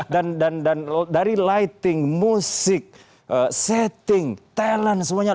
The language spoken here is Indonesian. dan dari lighting musik setting talent semuanya